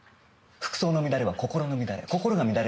服装の乱れは心の乱れ。